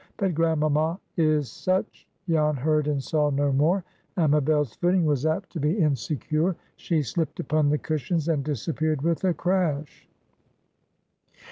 But grandmamma is such"— Jan heard and saw no more. Amabel's footing was apt to be insecure; she slipped upon the cushions and disappeared with a crash.